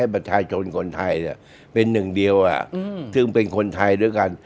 ประชาชนคนไทยเป็นหนึ่งเดียวซึ่งเป็นคนไทยด้วยกัน